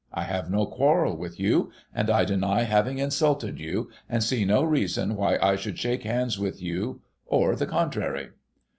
I have no quarrel with you, and I deny having insulted you, and see no reason why I should shake hands with you, or the contrary.'